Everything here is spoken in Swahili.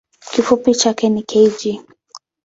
Kifupi chake ni kg.